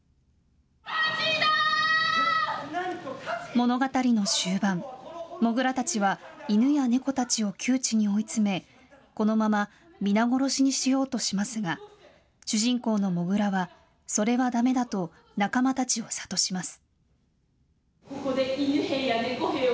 物語の終盤、モグラたちはイヌやネコたちを窮地に追い詰めこのまま皆殺しにしようとしますが主人公のモグラはそれはだめだと仲間たちを諭します。